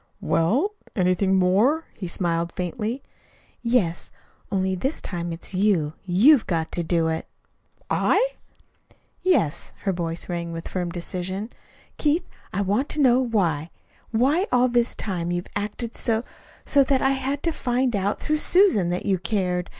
"Well? Anything more?" He smiled faintly. "Yes; only this time it's you. YOU'VE got to do it." "I?" "Yes." Her voice rang with firm decision. "Keith, I want to know why why all this time you've acted so so that I had to find out through Susan that you cared.